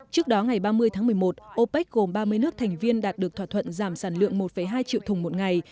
trước đó ngày ba mươi tháng một mươi một opec gồm ba mươi nước thành viên đạt được thỏa thuận giảm sản lượng một hai triệu thùng một ngày